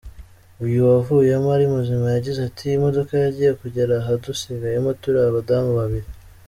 Uyu wavuyemo ari muzima yagize ati“Imodoka yagiye kugera aha dusigayemo turi abadamu babiri .